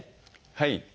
はい。